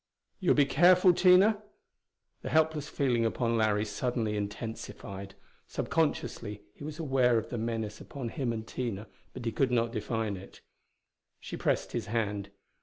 "You'll be careful, Tina?" The helpless feeling upon Larry suddenly intensified. Subconsciously he was aware of the menace upon him and Tina, but he could not define it. She pressed his hand.